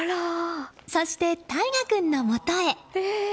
そして、大芽君のもとへ。